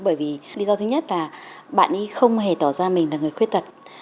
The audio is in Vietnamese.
bởi vì lý do thứ nhất là bạn ấy không hề tỏ ra mình là người khuyết tật